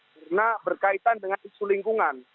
karena berkaitan dengan isu lingkungan